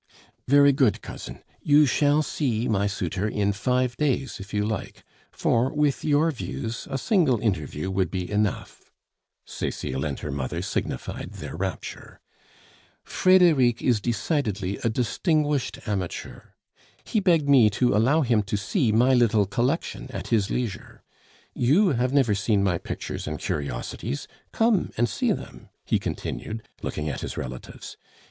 "Very good, cousin, you shall see my suitor in five days if you like; for, with your views, a single interview would be enough" (Cecile and her mother signified their rapture) "Frederic is decidedly a distinguished amateur; he begged me to allow him to see my little collection at his leisure. You have never seen my pictures and curiosities; come and see them," he continued, looking at his relatives.